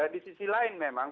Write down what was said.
di sisi lain memang